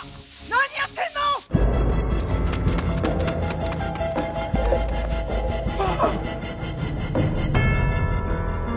何やってんの⁉あぁ！